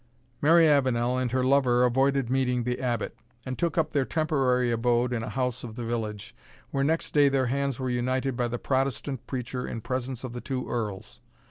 Mary Avenel and her lover avoided meeting the Abbot, and took up their temporary abode in a house of the village, where next day their hands were united by the Protestant preacher in presence of the two Earls.